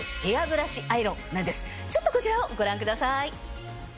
ちょっとこちらをご覧ください。